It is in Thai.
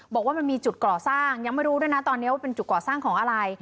บอกว่ามันมีจุดก่อสร้างยังไม่รู้ด้วยนะตอนนี้ว่าเป็นจุดก่อสร้างของอะไร